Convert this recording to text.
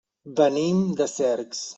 Venim de Cercs.